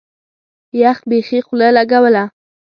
يخ بيخي خوله لګوله.